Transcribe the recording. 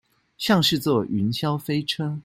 像是坐雲霄飛車